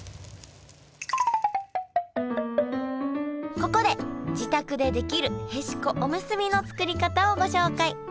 ここで自宅でできるへしこおむすびの作り方をご紹介。